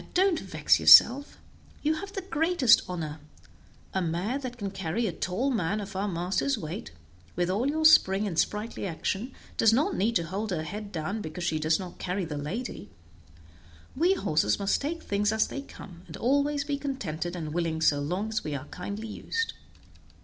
don't vex yourself; you have the greatest honor; a mare that can carry a tall man of our master's weight, with all your spring and sprightly action, does not need to hold her head down because she does not carry the lady; we horses must take things as they come, and always be contented and willing so long as we are kindly used."